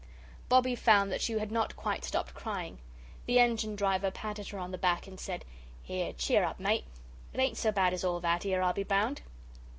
Bobbie found that she had not quite stopped crying. The engine driver patted her on the back and said: "Here, cheer up, Mate. It ain't so bad as all that 'ere, I'll be bound."